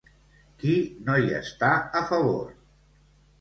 Qui no hi està a favor?